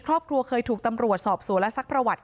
ครอบครัวเคยถูกตำรวจสอบสวนและซักประวัติ